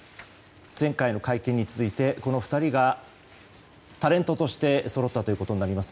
前回の会見に続いてこの２人がタレントとしてそろったということになります。